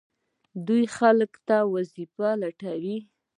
دوی خلکو ته وظیفې لټوي.